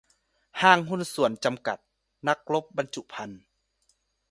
ห้างหุ้นส่วนจำกัด นักรบบรรจุภัณฑ์